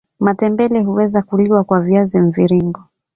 Matembele huweza kuliwa kwa viazi mviringo